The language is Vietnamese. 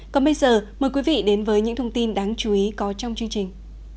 còn bây giờ mời quý vị đến với những thông tin đáng chú ý có trong chương trình